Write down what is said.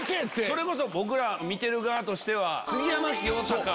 それこそ僕ら見てる側としては。